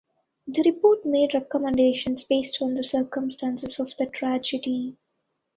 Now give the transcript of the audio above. The report made recommendations based on the circumstances of the tragedy.